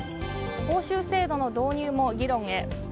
報酬制度の導入も議論へ。